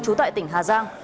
chú tại tỉnh hà giang